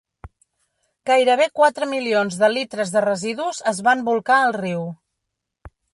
Gairebé quatre milions de litres de residus es van bolcar al riu.